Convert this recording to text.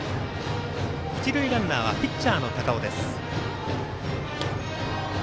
一塁ランナーはピッチャーの高尾です。